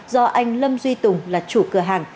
do anh lâm duy tùng là chủ cửa hàng